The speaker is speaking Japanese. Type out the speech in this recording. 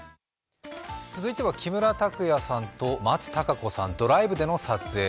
続いては木村拓哉さんと松たか子さん、ドライブでの撮影。